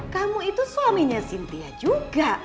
kamu itu suaminya sintia juga